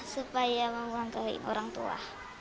supaya membantui orang tua